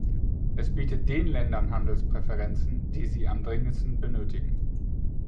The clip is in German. Es bietet den Ländern Handelspräferenzen, die sie am dringendsten benötigen.